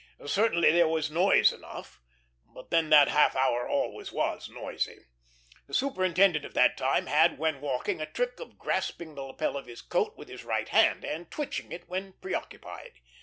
Certainly there was noise enough, but then that half hour always was noisy. The superintendent of that time had, when walking, a trick of grasping the lapel of his coat with his right hand, and twitching it when preoccupied.